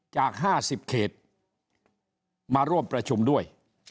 จากห้าสิบเขตมาร่วมประชุมด้วย